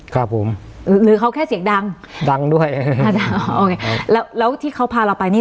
ครับผมหรือเขาแค่เสียงดังดังด้วยอ่าดังเอาไงแล้วแล้วที่เขาพาเราไปนี่